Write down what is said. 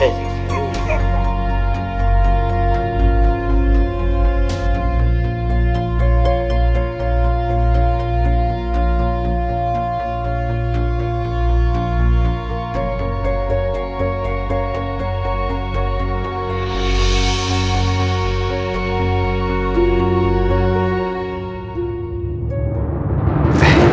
ya ini untuk siap